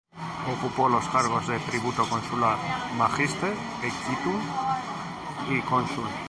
Ocupó los cargos de tribuno consular, "magister equitum" y cónsul.